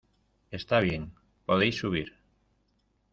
Está bien, podéis subir.